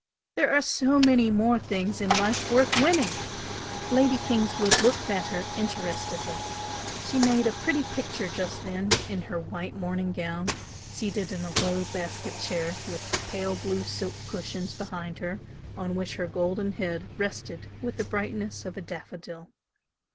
There are so many more things in life worth winning!" Lady Kingswood looked at her interestedly. She made a pretty picture just then in her white morning gown, seated in a low basket chair with pale blue silk cushions behind her on which her golden head rested with the brightness of a daffodil.